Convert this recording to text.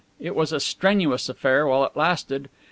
It was a strenuous affair while it lasted.